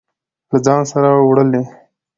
له ځان سره وړلې.